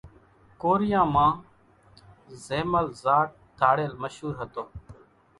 ڪوريان مان زيمل زاٽ ڌاڙيل مشُور هتو۔